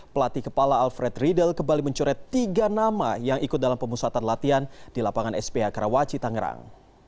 pelatih kepala alfred riedel kembali mencoret tiga nama yang ikut dalam pemusatan latihan di lapangan sph karawaci tangerang